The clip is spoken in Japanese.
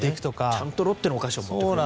ちゃんとロッテのお菓子を持っていく。